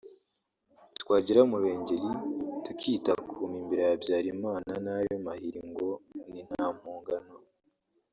twagera mu Ruhengeli tukitakuma imbere ya Habyalimana n’ ayo mahiri ngo ni nta mpongano